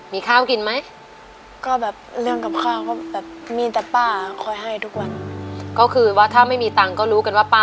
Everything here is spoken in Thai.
มีข้าวกินไหมก็แบบเรื่องกับข้าวก็แบบมีแต่ป้าคอยให้ดูกว่า